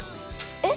えっ！？